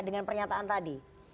dengan pernyataan tadi